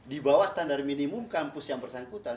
dibawah standar minimum kampus yang bersangkutan